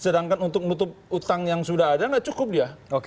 sedangkan untuk menutup utang yang sudah ada nggak cukup dia